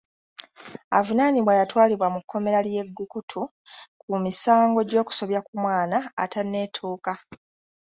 Avunaanibwa yatwalibwa mu kkomera ly'e Gbukutu ku misango gy'okusobya ku mwana atanneetuuka.